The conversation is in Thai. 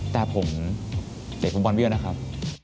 แต่ผมเก็บฟุตบอลเยอะนะครับ